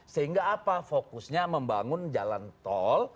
sehingga apa fokusnya membangun jalan tol